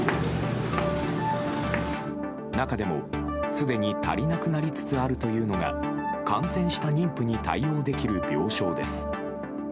中でも、すでに足りなくなりつつあるというのが感染した妊婦に対応できる病床です。